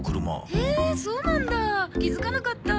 へえそうなんだ気づかなかった。